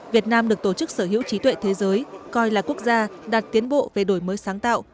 việt nam được tổ chức sở hữu trí tuệ thế giới coi là quốc gia đạt tiến bộ về đổi mới sáng tạo